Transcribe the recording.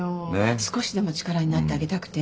少しでも力になってあげたくて。